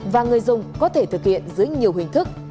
và người dùng có thể thực hiện dưới nhiều hình thức